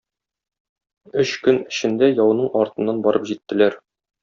Өч көн эчендә яуның артыннан барып җиттеләр.